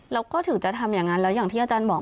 แล้วก็ถึงจะทำอย่างนั้นแล้วอย่างที่อาจารย์บอก